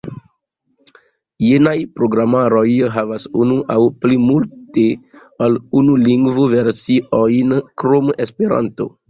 Jenaj programaroj havas unu aŭ plimulte ol unu lingvo-versiojn krom Esperanto.